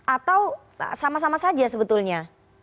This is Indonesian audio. atau sama sama saja sebetulnya